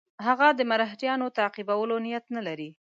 هغه د مرهټیانو تعقیبولو نیت نه لري.